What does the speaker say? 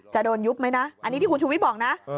จะโดนยุบไหมนะอันนี้ที่คุณชูวิทย์บอกนะ